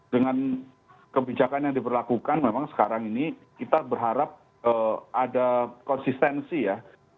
dengan kebijakan yang diberlakukan memang sekarang ini kita berharap ada konsistensi ya